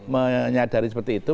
menyadari seperti itu